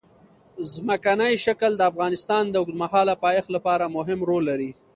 ځمکنی شکل د افغانستان د اوږدمهاله پایښت لپاره مهم رول لري.